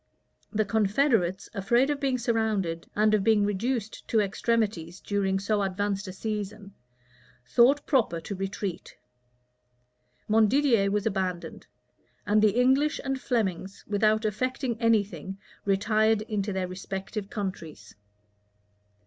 The confederates, afraid of being surrounded, and of being reduced to extremities during so advanced a season, thought proper to retreat. Montdidier was abandoned; and the English and Flemings, without effecting any thing, retired into their respective countries.